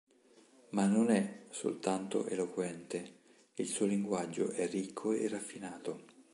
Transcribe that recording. Ma non è soltanto eloquente; il suo linguaggio è ricco e raffinato".